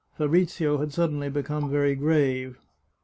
Fabrizio had suddenly become very grave.